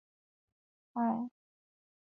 嘉靖十七年授直隶丹徒县知县。